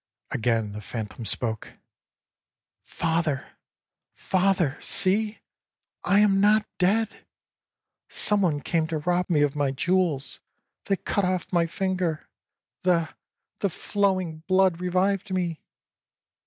âAgain the phantom spoke: ââFather, father! See, I am not dead. Someone came to rob me of my jewels they cut off my finger the the flowing blood revived me.